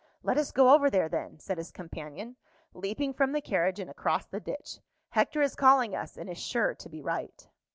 "Let us go over there, then," said his companion, leaping from the carriage and across the ditch. "Hector is calling us, and is sure to be right."